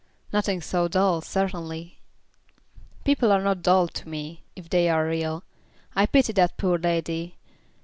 "Nothing so dull, certainly." "People are not dull to me, if they are real. I pity that poor lady.